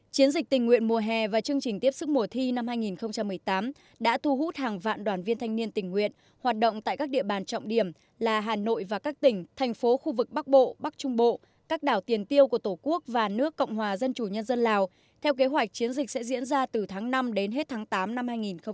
chiến dịch tình nguyện mùa hè và chương trình tiếp sức mùa thi năm hai nghìn một mươi tám đã thu hút hàng vạn đoàn viên thanh niên tình nguyện hoạt động tại các địa bàn trọng điểm là hà nội và các tỉnh thành phố khu vực bắc bộ bắc trung bộ các đảo tiền tiêu của tổ quốc và nước cộng hòa dân chủ nhân dân lào theo kế hoạch chiến dịch sẽ diễn ra từ tháng năm đến hết tháng tám năm hai nghìn một mươi chín